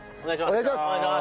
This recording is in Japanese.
お願いします。